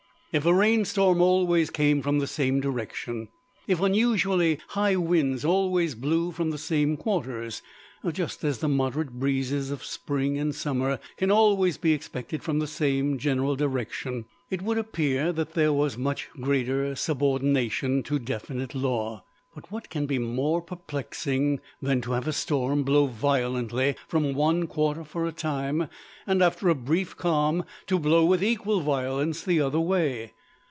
If a rain storm always came from the same direction; if unusually high winds always blew from the same quarters, just as the moderate breezes of spring and summer can always be expected from the same general direction, it would appear that there was much greater subordination to definite law. But what can be more perplexing than to have a storm blow violently from one quarter for a time, and after a brief calm to blow with equal violence the other way?